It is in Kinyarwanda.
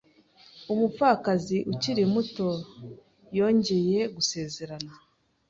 Umupfakazi ukiri muto yongeye gusezerana.